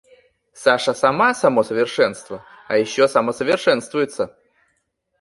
Саша сама — само совершенство, а ещё самосовершенствуется!